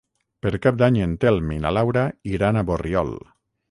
Per Cap d'Any en Telm i na Laura iran a Borriol.